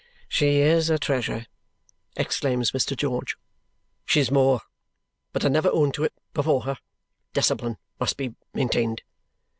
"She is a treasure!" exclaims Mr. George. "She's more. But I never own to it before her. Discipline must be maintained.